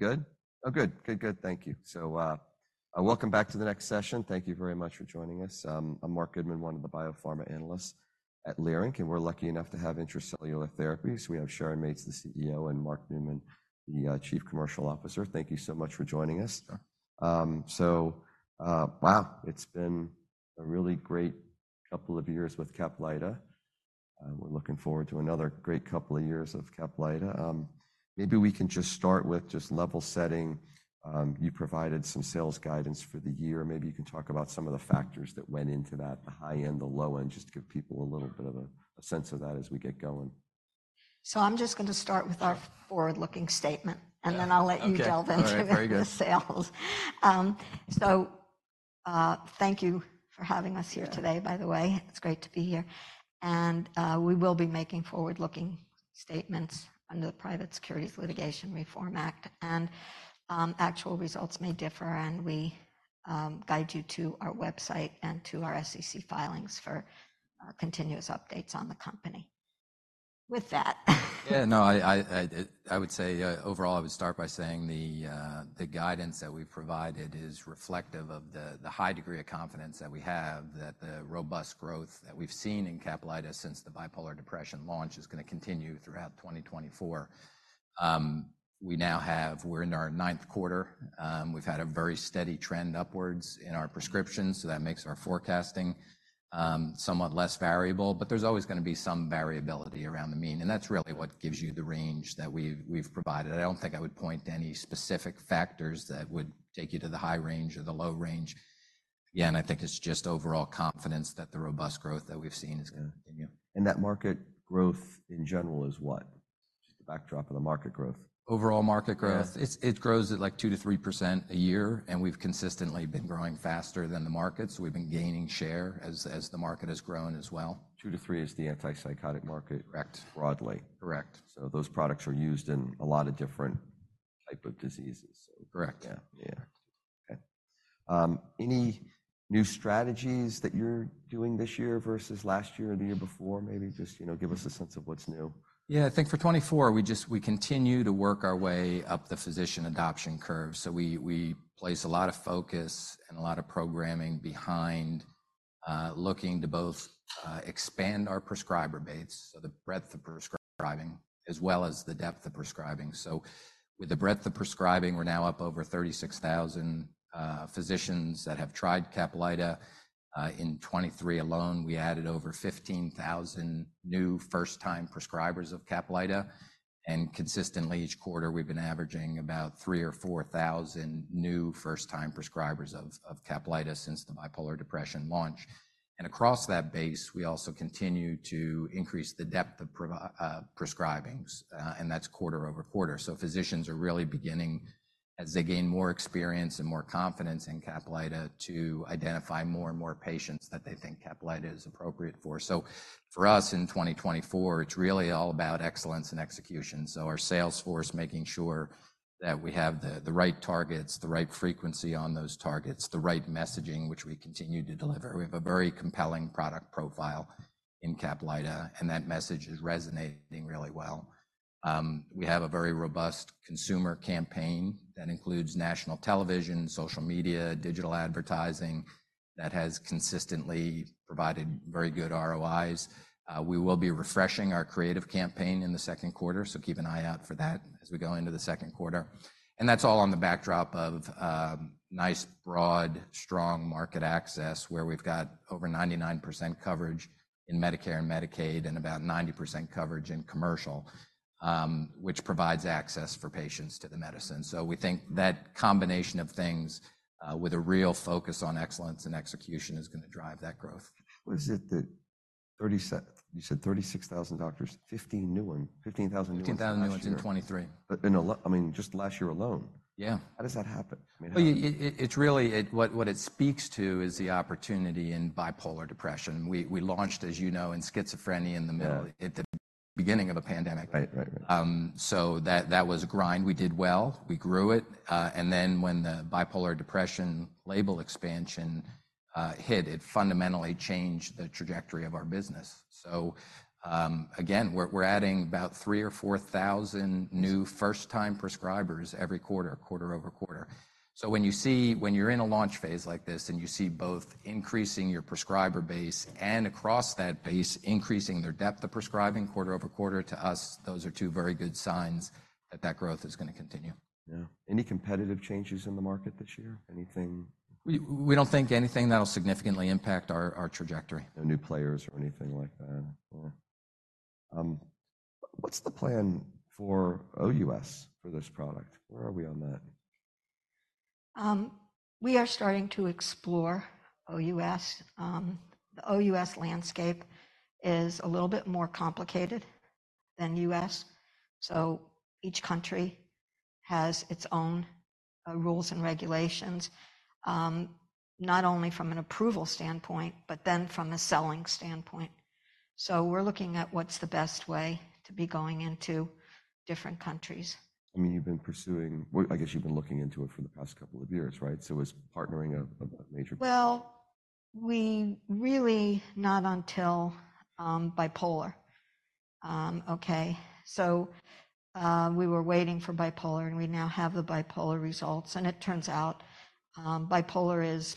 We're good? Oh, good. Good, good. Thank you. So, welcome back to the next session. Thank you very much for joining us. I'm Marc Goodman, one of the biopharma analysts at Leerink, and we're lucky enough to have Intra-Cellular Therapies. We have Sharon Mates, the CEO, and Mark Neumann, the Chief Commercial Officer. Thank you so much for joining us. Sure. So, wow, it's been a really great couple of years with Caplyta. We're looking forward to another great couple of years of Caplyta. Maybe we can just start with just level setting. You provided some sales guidance for the year. Maybe you can talk about some of the factors that went into that, the high end, the low end, just to give people a little bit of a sense of that as we get going. I'm just going to start with our forward-looking statement, and then I'll let you delve into the sales. Okay. Very good. Thank you for having us here today, by the way. It's great to be here. We will be making forward-looking statements under the Private Securities Litigation Reform Act. Actual results may differ, and we guide you to our website and to our SEC filings for continuous updates on the company. With that. Yeah. No, I would say, overall, I would start by saying the guidance that we've provided is reflective of the high degree of confidence that we have that the robust growth that we've seen in Caplyta since the bipolar depression launch is going to continue throughout 2024. We now have. We're in our ninth quarter. We've had a very steady trend upwards in our prescriptions, so that makes our forecasting somewhat less variable. But there's always going to be some variability around the mean, and that's really what gives you the range that we've provided. I don't think I would point to any specific factors that would take you to the high range or the low range. Again, I think it's just overall confidence that the robust growth that we've seen is going to continue. That market growth in general is what? Just the backdrop of the market growth. Overall market growth. Yeah. It grows at like 2%-3% a year, and we've consistently been growing faster than the market, so we've been gaining share as the market has grown as well. 2-3 is the antipsychotic market. Correct. Broadly. Correct. So those products are used in a lot of different type of diseases, so. Correct. Yeah. Yeah. Okay. Any new strategies that you're doing this year versus last year or the year before? Maybe just, you know, give us a sense of what's new. Yeah. I think for 2024, we just continue to work our way up the physician adoption curve. So we place a lot of focus and a lot of programming behind looking to both expand our prescriber base, so the breadth of prescribing, as well as the depth of prescribing. So with the breadth of prescribing, we're now up over 36,000 physicians that have tried Caplyta. In 2023 alone, we added over 15,000 new first-time prescribers of Caplyta. And consistently, each quarter, we've been averaging about 3,000 or 4,000 new first-time prescribers of Caplyta since the bipolar depression launch. And across that base, we also continue to increase the depth of prescribings. And that's quarter-over-quarter. So physicians are really beginning, as they gain more experience and more confidence in Caplyta, to identify more and more patients that they think Caplyta is appropriate for. So for us, in 2024, it's really all about excellence and execution. So our sales force making sure that we have the right targets, the right frequency on those targets, the right messaging, which we continue to deliver. We have a very compelling product profile in Caplyta, and that message is resonating really well. We have a very robust consumer campaign that includes national television, social media, digital advertising that has consistently provided very good ROIs. We will be refreshing our creative campaign in the second quarter, so keep an eye out for that as we go into the second quarter. And that's all on the backdrop of nice, broad, strong market access where we've got over 99% coverage in Medicare and Medicaid and about 90% coverage in commercial, which provides access for patients to the medicine. We think that combination of things, with a real focus on excellence and execution is going to drive that growth. What is it that 37 you said? 36,000 doctors, 15 new ones, 15,000 new ones last year. 15,000 new ones in 2023. I mean, just last year alone. Yeah. How does that happen? I mean, how. Well, it's really what it speaks to is the opportunity in bipolar depression. We launched, as you know, in schizophrenia in the middle. Yeah. At the beginning of a pandemic. Right. Right. Right. So that, that was a grind. We did well. We grew it. And then when the bipolar depression label expansion hit, it fundamentally changed the trajectory of our business. So, again, we're adding about 3,000 or 4,000 new first-time prescribers every quarter, quarter-over-quarter. So when you see you're in a launch phase like this and you see both increasing your prescriber base and across that base increasing their depth of prescribing quarter-over-quarter, to us, those are two very good signs that that growth is going to continue. Yeah. Any competitive changes in the market this year? Anything? We don't think anything that'll significantly impact our trajectory. No new players or anything like that? Yeah. What's the plan for OUS for this product? Where are we on that? We are starting to explore OUS. The OUS landscape is a little bit more complicated than US. So each country has its own rules and regulations, not only from an approval standpoint but then from a selling standpoint. So we're looking at what's the best way to be going into different countries. I mean, you've been pursuing well, I guess you've been looking into it for the past couple of years, right? So is partnering a major player. So, we were waiting for bipolar, and we now have the bipolar results. And it turns out, bipolar is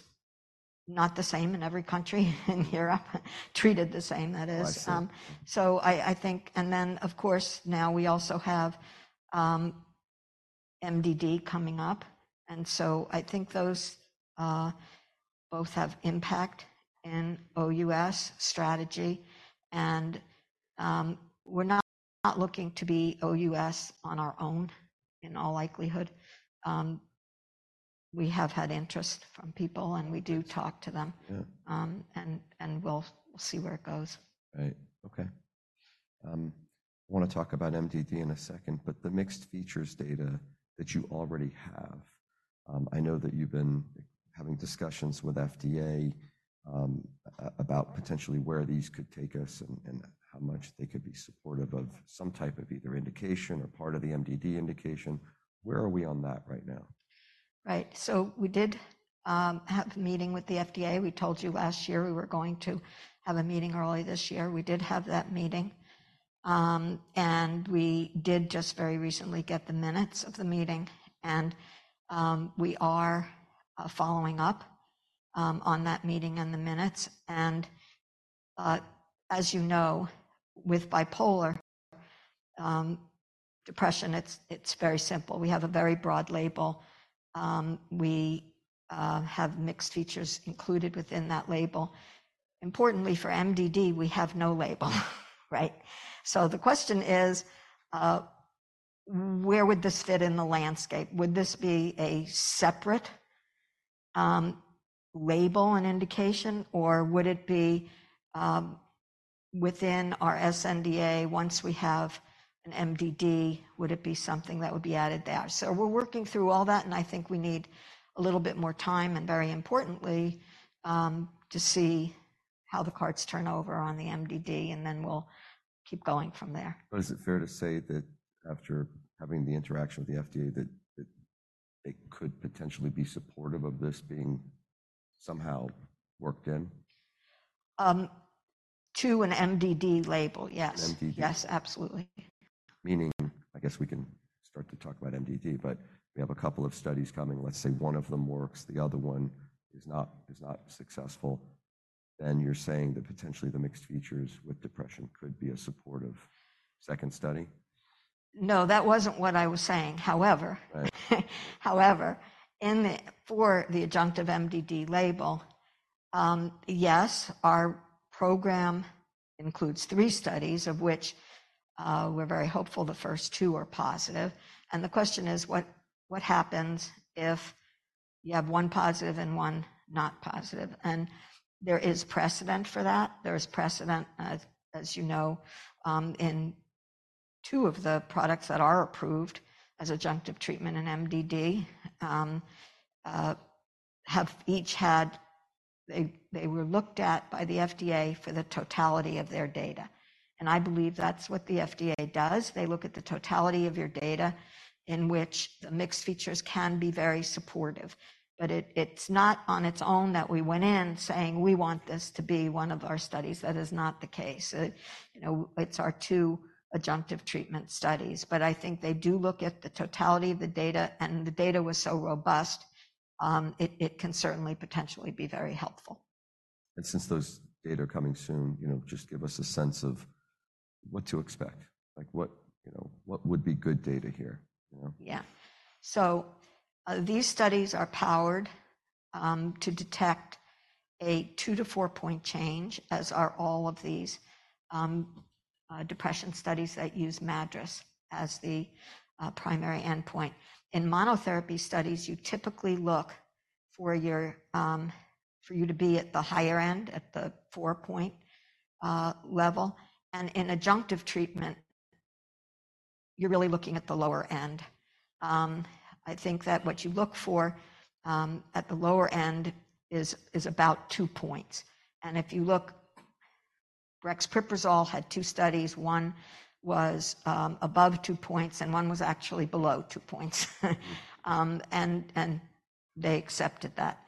not the same in every country in Europe, treated the same, that is. Right. So, I think, and then, of course, now we also have MDD coming up. And so I think those both have impact in OUS strategy. And we're not looking to be OUS on our own, in all likelihood. We have had interest from people, and we do talk to them. Yeah. and we'll see where it goes. Right. Okay. I want to talk about MDD in a second, but the mixed features data that you already have, I know that you've been having discussions with FDA, about potentially where these could take us and how much they could be supportive of some type of either indication or part of the MDD indication. Where are we on that right now? Right. So we did have a meeting with the FDA. We told you last year we were going to have a meeting early this year. We did have that meeting. We did just very recently get the minutes of the meeting. We are following up on that meeting and the minutes. As you know, with bipolar depression, it's very simple. We have a very broad label. We have mixed features included within that label. Importantly, for MDD, we have no label, right? So the question is, where would this fit in the landscape? Would this be a separate label and indication, or would it be within our sNDA, once we have an MDD, would it be something that would be added there? We're working through all that, and I think we need a little bit more time and, very importantly, to see how the cards turn over on the MDD, and then we'll keep going from there. But is it fair to say that after having the interaction with the FDA that it could potentially be supportive of this being somehow worked in? to an MDD label, yes. An MDD. Yes, absolutely. Meaning, I guess we can start to talk about MDD, but we have a couple of studies coming. Let's say one of them works. The other one is not, is not successful. Then you're saying that potentially the mixed features with depression could be a supportive second study? No, that wasn't what I was saying. However. Right. However, for the adjunctive MDD label, yes, our program includes three studies, of which we're very hopeful the first two are positive. And the question is, what happens if you have one positive and one not positive? And there is precedent for that. There is precedent, as you know, in two of the products that are approved as adjunctive treatment and MDD, have each had. They were looked at by the FDA for the totality of their data. And I believe that's what the FDA does. They look at the totality of your data in which the mixed features can be very supportive. But it's not on its own that we went in saying, "We want this to be one of our studies." That is not the case. You know, it's our two adjunctive treatment studies. But I think they do look at the totality of the data, and the data was so robust, it, it can certainly potentially be very helpful. Since those data are coming soon, you know, just give us a sense of what to expect. Like, what, you know, what would be good data here, you know? Yeah. So, these studies are powered to detect a 2-4-point change, as are all of these depression studies that use MADRS as the primary endpoint. In monotherapy studies, you typically look for your, for you to be at the higher end, at the 4-point level. And in adjunctive treatment, you're really looking at the lower end. I think that what you look for at the lower end is, is about 2 points. And if you look, brexpiprazole had two studies. One was above 2 points, and one was actually below 2 points. and, and they accepted that.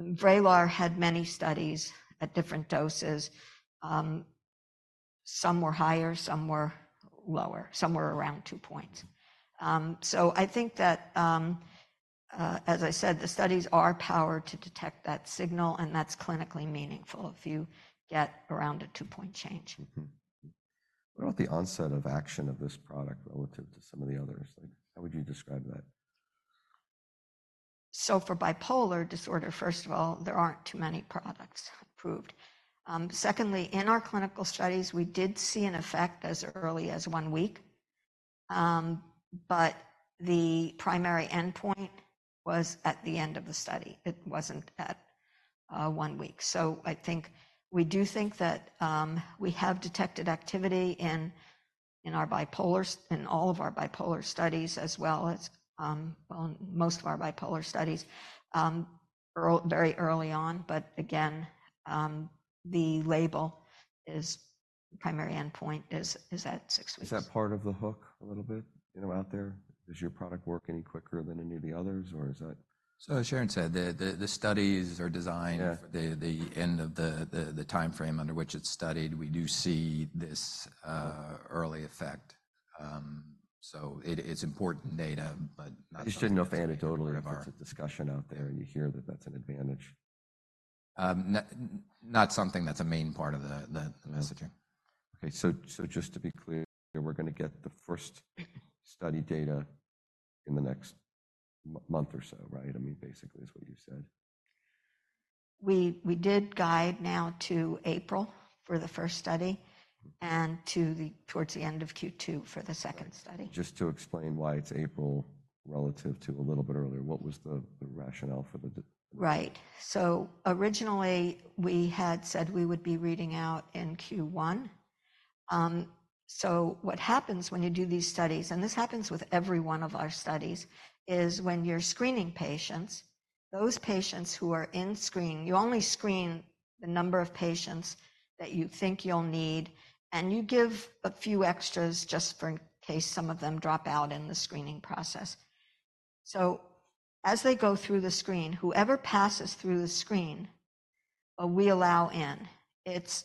Vraylar had many studies at different doses. Some were higher, some were lower, some were around 2 points. So I think that, as I said, the studies are powered to detect that signal, and that's clinically meaningful if you get around a 2-point change. Mm-hmm. What about the onset of action of this product relative to some of the others? Like, how would you describe that? So for bipolar disorder, first of all, there aren't too many products approved. Secondly, in our clinical studies, we did see an effect as early as 1 week, but the primary endpoint was at the end of the study. It wasn't at 1 week. So I think we do think that we have detected activity in, in our bipolar in all of our bipolar studies as well as, well, in most of our bipolar studies, early very early on. But again, the label is primary endpoint is, is at 6 weeks. Is that part of the hook a little bit, you know, out there? Does your product work any quicker than any of the others, or is that? As Sharon said, the studies are designed. Yeah. For the end of the time frame under which it's studied. We do see this early effect. So it's important data, but not. I just didn't know if anecdotally. Part of our. If it's a discussion out there and you hear that that's an advantage. Not something that's a main part of the messaging. Okay. So, just to be clear, we're going to get the first study data in the next month or so, right? I mean, basically, is what you said. We did guide now to April for the first study and towards the end of Q2 for the second study. Just to explain why it's April relative to a little bit earlier, what was the rationale for the d? Right. So originally, we had said we would be reading out in Q1. So what happens when you do these studies and this happens with every one of our studies is when you're screening patients, those patients who are in screen you only screen the number of patients that you think you'll need, and you give a few extras just for in case some of them drop out in the screening process. So as they go through the screen, whoever passes through the screen, we allow in. It's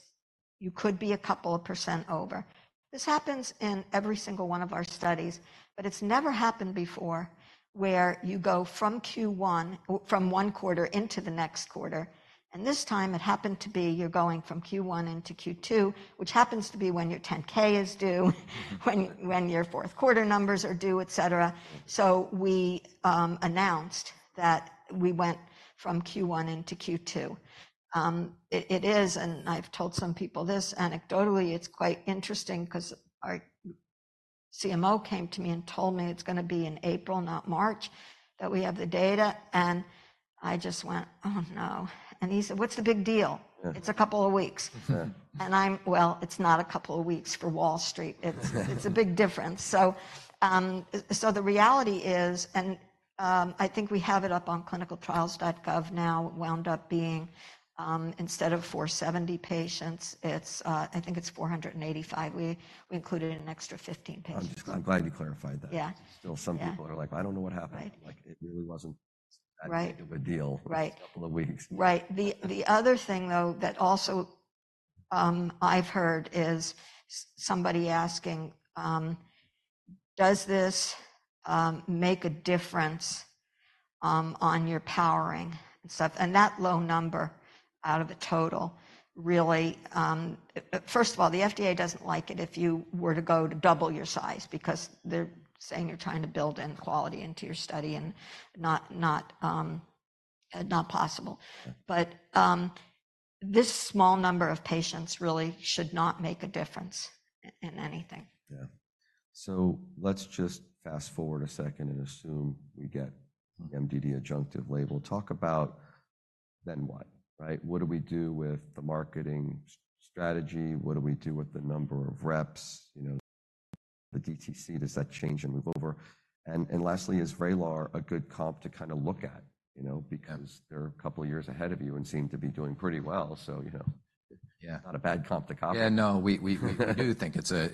you could be a couple of % over. This happens in every single one of our studies, but it's never happened before where you go from Q1 from one quarter into the next quarter. And this time, it happened to be you're going from Q1 into Q2, which happens to be when your 10-K is due, when your fourth quarter numbers are due, etc. So we announced that we went from Q1 into Q2. It is, and I've told some people this anecdotally. It's quite interesting because our CMO came to me and told me it's going to be in April, not March, that we have the data. And I just went, "Oh, no." And he said, "What's the big deal? It's a couple of weeks." And I'm, "Well, it's not a couple of weeks for Wall Street. It's a big difference." So the reality is, and I think we have it up on clinicaltrials.gov now wound up being, instead of 470 patients, it's, I think it's 485. We included an extra 15 patients. I'm just glad you clarified that. Yeah. Still, some people are like, "I don't know what happened. Right. Like, it really wasn't that big of a deal. Right. A couple of weeks. Right. The other thing, though, that also I've heard is somebody asking, does this make a difference on your powering and stuff? And that low number out of the total really, first of all, the FDA doesn't like it if you were to go to double your size because they're saying you're trying to build in quality into your study and not possible. But, this small number of patients really should not make a difference in anything. Yeah. So let's just fast forward a second and assume we get the MDD adjunctive label. Talk about then what, right? What do we do with the marketing strategy? What do we do with the number of reps, you know, the DTC? Does that change and move over? And lastly, is Vraylar a good comp to kind of look at, you know, because they're a couple of years ahead of you and seem to be doing pretty well. So, you know. Yeah. Not a bad comp to copy. Yeah. No, we do think it's a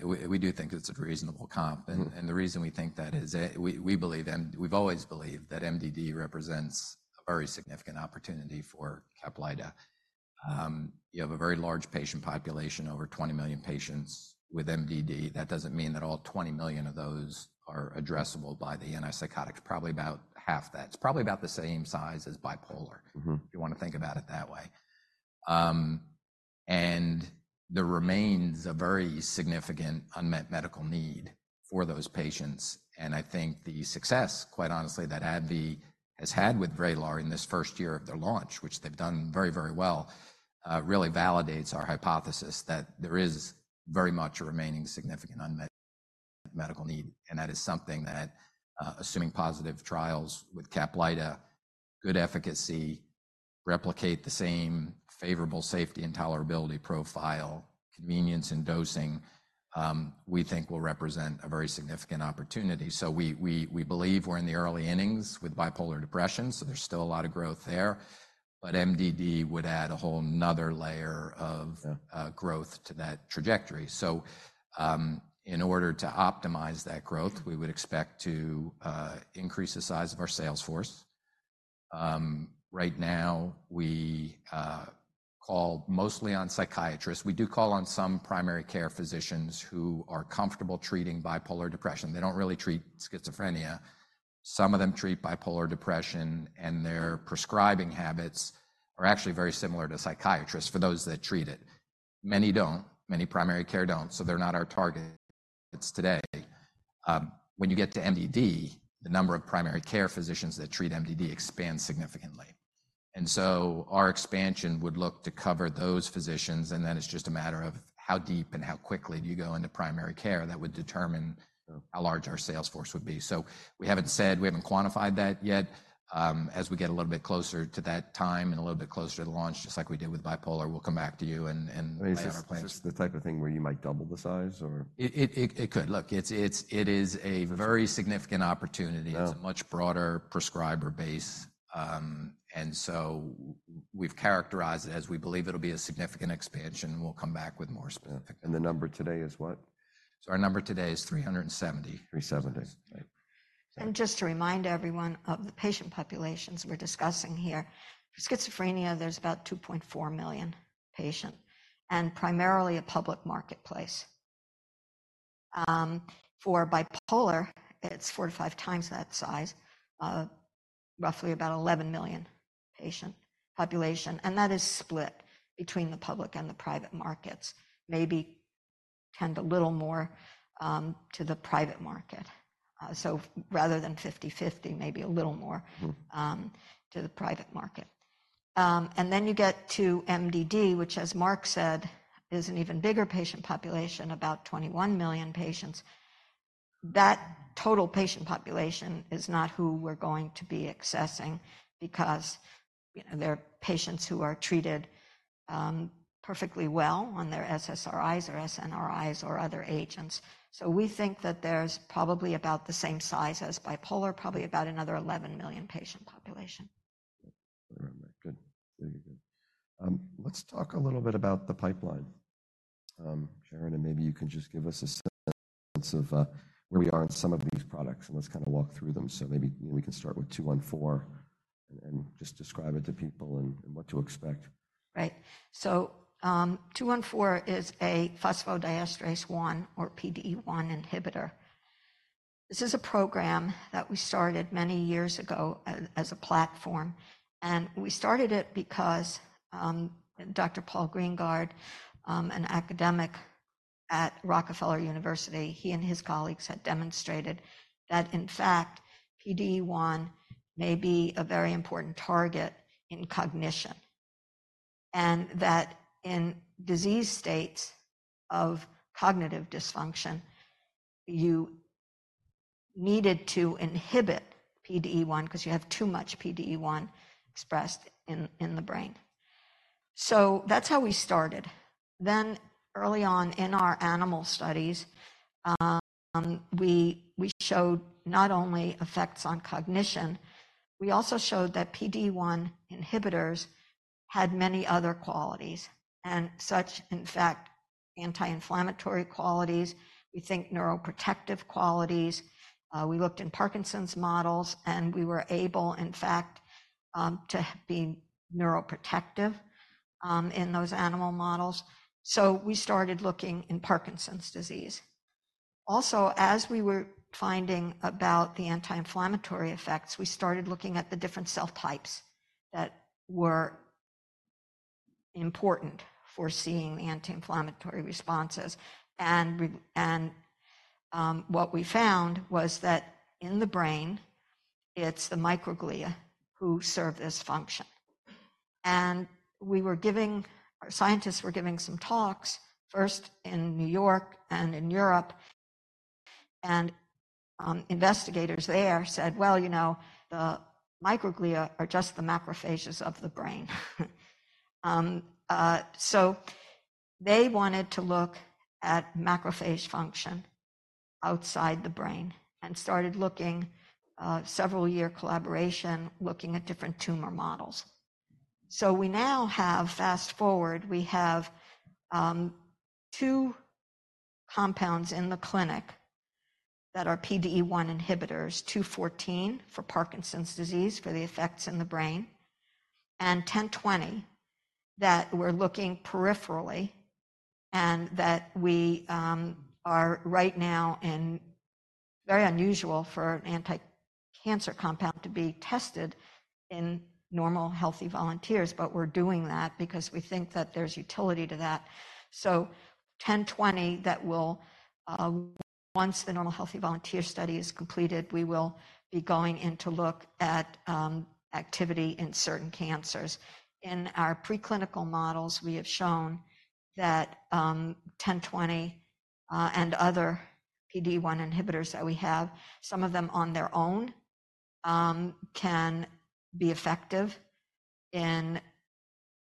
reasonable comp. And the reason we think that is we believe and we've always believed that MDD represents a very significant opportunity for Caplyta. You have a very large patient population, over 20 million patients with MDD. That doesn't mean that all 20 million of those are addressable by the antipsychotics. Probably about half that. It's probably about the same size as bipolar, if you want to think about it that way. And there remains a very significant unmet medical need for those patients. And I think the success, quite honestly, that AbbVie has had with Vraylar in this first year of their launch, which they've done very, very well, really validates our hypothesis that there is very much a remaining significant unmet medical need. And that is something that, assuming positive trials with CAPLYTA, good efficacy, replicate the same favorable safety and tolerability profile, convenience in dosing, we think will represent a very significant opportunity. So we believe we're in the early innings with bipolar depression. So there's still a lot of growth there. But MDD would add a whole nother layer of growth to that trajectory. So, in order to optimize that growth, we would expect to increase the size of our sales force. Right now, we call mostly on psychiatrists. We do call on some primary care physicians who are comfortable treating bipolar depression. They don't really treat schizophrenia. Some of them treat bipolar depression, and their prescribing habits are actually very similar to psychiatrists for those that treat it. Many don't. Many primary care don't. So they're not our targets today. When you get to MDD, the number of primary care physicians that treat MDD expands significantly. And so our expansion would look to cover those physicians. And then it's just a matter of how deep and how quickly do you go into primary care that would determine how large our sales force would be. So we haven't said we haven't quantified that yet. As we get a little bit closer to that time and a little bit closer to the launch, just like we did with bipolar, we'll come back to you and, and lay out our plans. Is this the type of thing where you might double the size, or? It could. Look, it is a very significant opportunity. It's a much broader prescriber base. And so we've characterized it as we believe it'll be a significant expansion. We'll come back with more specifics. The number today is what? Our number today is 370. 370. Right. Just to remind everyone of the patient populations we're discussing here, for schizophrenia, there's about 2.4 million patients and primarily a public marketplace. For bipolar, it's 4-5 times that size, roughly about 11 million patient population. That is split between the public and the private markets, maybe tend a little more to the private market. So rather than 50/50, maybe a little more to the private market. Then you get to MDD, which, as Mark said, is an even bigger patient population, about 21 million patients. That total patient population is not who we're going to be accessing because, you know, they're patients who are treated perfectly well on their SSRIs or SNRIs or other agents. So we think that there's probably about the same size as bipolar, probably about another 11 million patient population. Good. Very good. Let's talk a little bit about the pipeline. Sharon, and maybe you can just give us a sense of where we are in some of these products. And let's kind of walk through them. So maybe, you know, we can start with 214 and just describe it to people and what to expect. Right. So, 214 is a phosphodiesterase-1 or PDE-1 inhibitor. This is a program that we started many years ago as a platform. And we started it because, Dr. Paul Greengard, an academic at Rockefeller University, he and his colleagues had demonstrated that, in fact, PDE-1 may be a very important target in cognition and that in disease states of cognitive dysfunction, you needed to inhibit PDE-1 because you have too much PDE-1 expressed in the brain. So that's how we started. Then early on in our animal studies, we showed not only effects on cognition, we also showed that PDE-1 inhibitors had many other qualities and such, in fact, anti-inflammatory qualities, we think neuroprotective qualities. We looked in Parkinson's models, and we were able, in fact, to be neuroprotective, in those animal models. So we started looking in Parkinson's disease. Also, as we were finding about the anti-inflammatory effects, we started looking at the different cell types that were important for seeing anti-inflammatory responses. And what we found was that in the brain, it's the microglia who serve this function. And our scientists were giving some talks first in New York and in Europe. And investigators there said, "Well, you know, the microglia are just the macrophages of the brain." So they wanted to look at macrophage function outside the brain and started looking, several-year collaboration, looking at different tumor models. So we now have fast forward. We have two compounds in the clinic that are PDE-1 inhibitors, 214 for Parkinson's disease for the effects in the brain and 1020 that we're looking peripherally and that we are right now in very unusual for an anti-cancer compound to be tested in normal, healthy volunteers. But we're doing that because we think that there's utility to that. So 1020, that will, once the normal, healthy volunteer study is completed, we will be going in to look at activity in certain cancers. In our preclinical models, we have shown that 1020, and other PDE-1 inhibitors that we have, some of them on their own, can be effective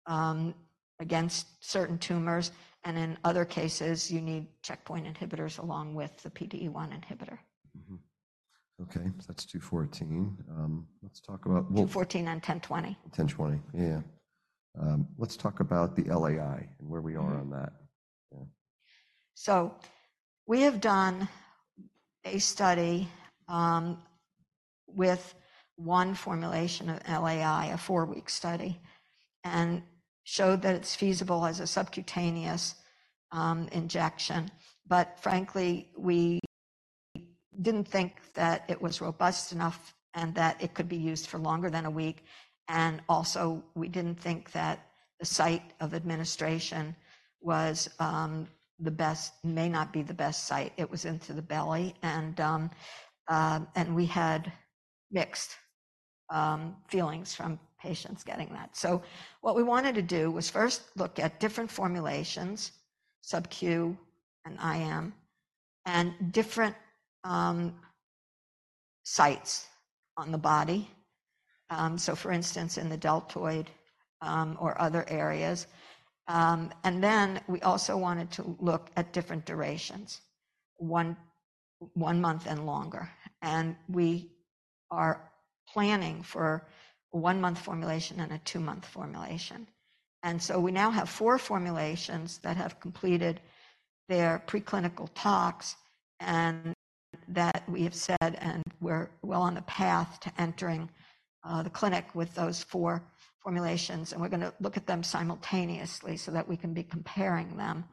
against certain tumors. And in other cases, you need checkpoint inhibitors along with the PDE-1 inhibitor. Okay. So that's 214. Let's talk about. ITI-214 and ITI-1020. Yeah. Let's talk about the LAI and where we are on that. Yeah. So we have done a study with one formulation of LAI, a 4-week study, and showed that it's feasible as a subcutaneous injection. But frankly, we didn't think that it was robust enough and that it could be used for longer than a week. And also, we didn't think that the site of administration was the best, may not be the best site. It was into the belly. And we had mixed feelings from patients getting that. So what we wanted to do was first look at different formulations, subQ and IM, and different sites on the body. So for instance, in the deltoid, or other areas. And then we also wanted to look at different durations, one month and longer. And we are planning for a 1-month formulation and a 2-month formulation. So we now have four formulations that have completed their preclinical tox and that we have said, and we're well on the path to entering the clinic with those four formulations. We're going to look at them simultaneously so that we can be comparing them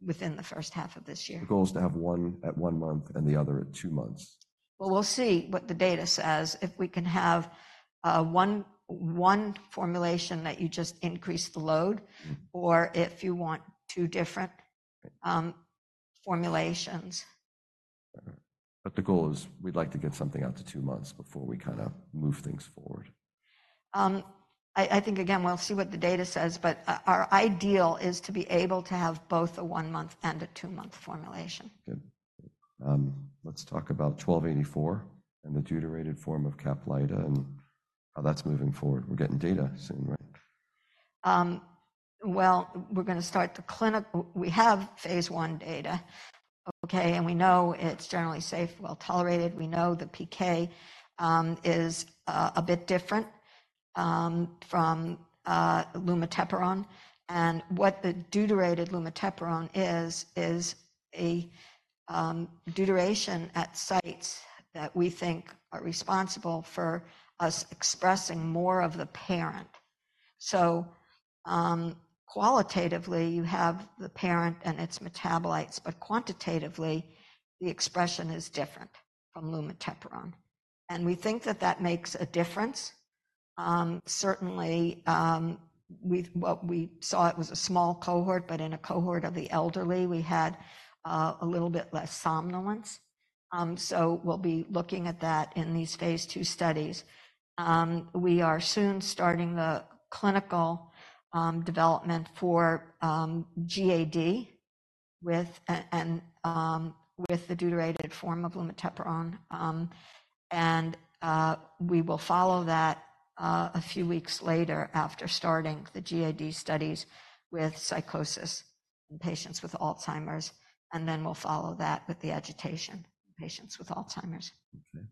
within the first half of this year. The goal is to have one at 1 month and the other at 2 months. Well, we'll see what the data says, if we can have one formulation that you just increase the load or if you want two different formulations. The goal is we'd like to get something out to two months before we kind of move things forward. I think, again, we'll see what the data says. But our ideal is to be able to have both a 1-month and a 2-month formulation. Good. Let's talk about 1284 and the deuterated form of Caplyta and how that's moving forward. We're getting data soon, right? Well, we're going to start the clinic. We have phase one data, okay? We know it's generally safe, well tolerated. We know the PK is a bit different from lumateperone. And what the deuterated lumateperone is is a deuteration at sites that we think are responsible for us expressing more of the parent. So, qualitatively, you have the parent and its metabolites. But quantitatively, the expression is different from lumateperone. And we think that that makes a difference. Certainly, what we saw, it was a small cohort, but in a cohort of the elderly, we had a little bit less somnolence. So we'll be looking at that in these phase two studies. We are soon starting the clinical development for GAD with the deuterated form of lumateperone. We will follow that a few weeks later after starting the GAD studies with psychosis in patients with Alzheimer's. Then we'll follow that with the agitation in patients with Alzheimer's. Okay.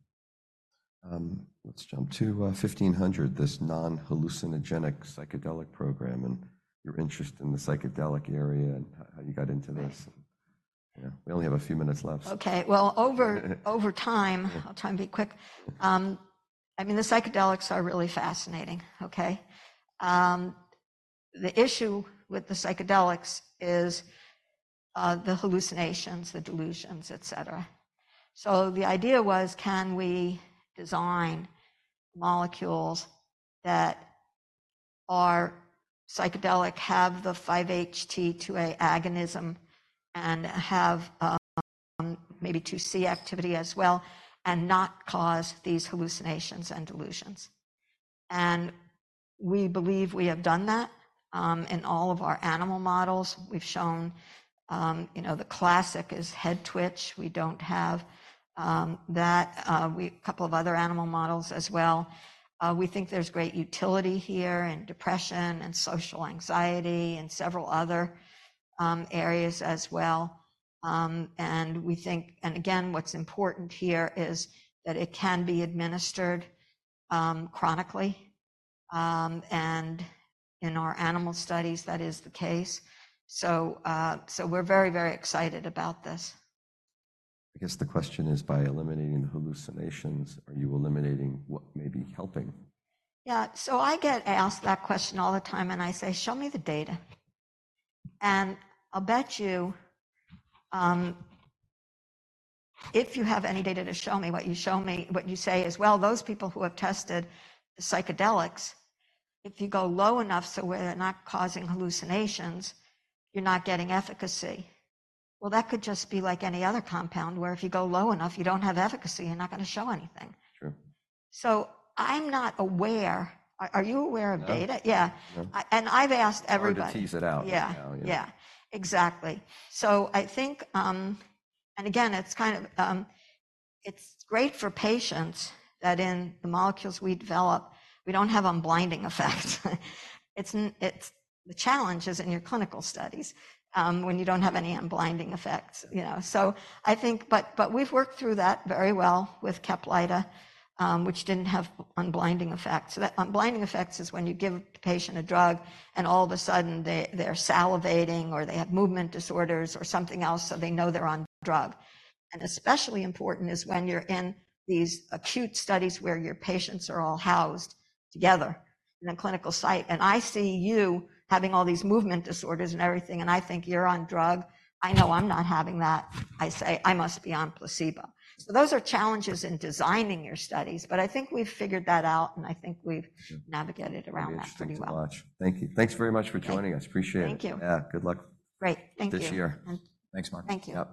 Let's jump to 1500, this non-hallucinogenic psychedelic program and your interest in the psychedelic area and how you got into this. Yeah. We only have a few minutes left. Okay. Well, over, over time, I'll try and be quick. I mean, the psychedelics are really fascinating, okay? The issue with the psychedelics is, the hallucinations, the delusions, et cetera. So the idea was, can we design molecules that are psychedelic, have the 5-HT2A agonism, and have, maybe 2C activity as well, and not cause these hallucinations and delusions? And we believe we have done that, in all of our animal models. We've shown, you know, the classic is head twitch. We don't have, that. We have a couple of other animal models as well. We think there's great utility here in depression and social anxiety and several other, areas as well. And we think, and again, what's important here is that it can be administered, chronically. And in our animal studies, that is the case. So, so we're very, very excited about this. I guess the question is, by eliminating hallucinations, are you eliminating what may be helping? Yeah. So I get asked that question all the time. And I say, "Show me the data." And I'll bet you, if you have any data to show me, what you say is, "Well, those people who have tested psychedelics, if you go low enough so where they're not causing hallucinations, you're not getting efficacy." Well, that could just be like any other compound where if you go low enough, you don't have efficacy, you're not going to show anything. True. I'm not aware. Are you aware of data? Yeah. And I've asked everybody. We're going to tease it out. Yeah. Yeah. Exactly. So I think, and again, it's kind of, it's great for patients that in the molecules we develop, we don't have unblinding effects. It's the challenge is in your clinical studies, when you don't have any unblinding effects, you know? So I think but, but we've worked through that very well with Caplyta, which didn't have unblinding effects. So that unblinding effects is when you give the patient a drug, and all of a sudden, they're salivating or they have movement disorders or something else, so they know they're on drug. And especially important is when you're in these acute studies where your patients are all housed together in a clinical site. And I see you having all these movement disorders and everything. And I think you're on drug. I know I'm not having that. I say, "I must be on placebo." So those are challenges in designing your studies. But I think we've figured that out. And I think we've navigated around that pretty well. Thank you so much. Thank you. Thanks very much for joining us. Appreciate it. Thank you. Yeah. Good luck. Great. Thank you. This year. Thanks, Mark. Thank you.